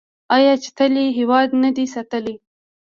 آیا چې تل یې هیواد نه دی ساتلی؟